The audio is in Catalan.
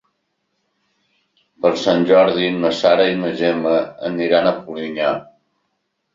Per Sant Jordi na Sara i na Gemma aniran a Polinyà.